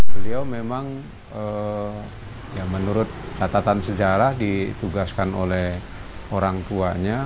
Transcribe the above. beliau memang ya menurut catatan sejarah ditugaskan oleh orang tuanya